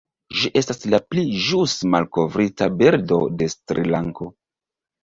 Ĝi estas la pli ĵus malkovrita birdo de Srilanko.